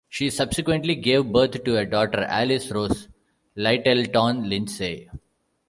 She subsequently gave birth to a daughter, Alice Rose Lyttelton Lindsay.